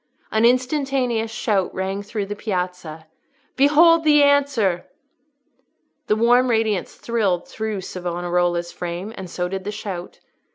An instantaneous shout rang through the Piazza, "Behold the answer!" The warm radiance thrilled through Savonarola's frame, and so did the shout.